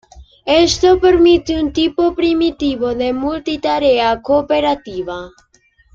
Esto permite un tipo primitivo de multitarea cooperativa.